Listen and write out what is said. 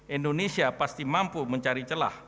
indonesia pasti mampu mencari celah